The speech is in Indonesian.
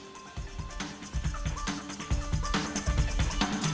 oke terima kasih